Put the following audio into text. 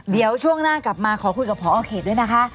เดี๋ยวช่วงหน้ากลับมาขอคุยกับพอเขตด้วยนะคะ